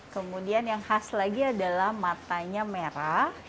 kemudian yang khas lagi adalah matanya merah